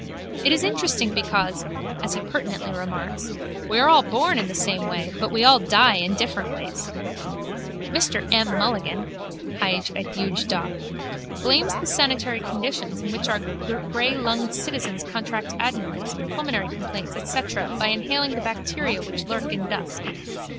It is interesting because, as he pertinently remarks, we are all born in the same way but we all die in different ways. Mr M. Mulligan (Hyg. et Eug. Doc.) blames the sanitary conditions in which our greylunged citizens contract adenoids, pulmonary complaints etc. by inhaling the bacteria which lurk in dust.